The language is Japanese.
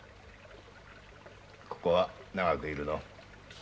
ここは長くいるの？